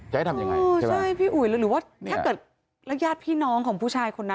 จะให้ทำยังไงเออใช่พี่อุ๋ยหรือว่าถ้าเกิดแล้วญาติพี่น้องของผู้ชายคนนั้น